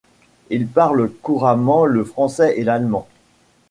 Il parle couramment le français et l'allemand.